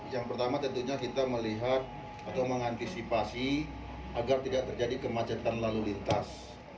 yang pertama tentunya kita melihat atau mengantisipasi agar tidak terjadi kemacetan lalu lintas